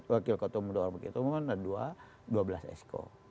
wakil ketua umum dua wakil ketua umum dua wakil ketua umum dua belas sku